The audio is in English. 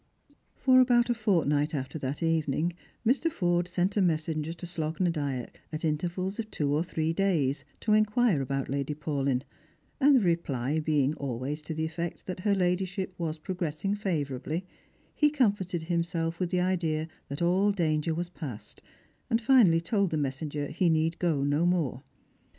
For about a fortnight after that evening Mr. Forde sent a messenger to Slogh na Dyack, at intervals of twoor three days, to inquire about Lady Paulyn ; and the reply being always to the effect that her ladyship was progressing favourably, he comforted himself with the idea that all danger was past, and finally told the messenger he need go no more.